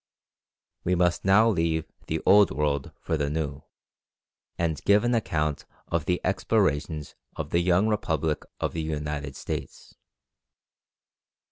We must now leave the Old World for the New, and give an account of the explorations of the young republic of the United States.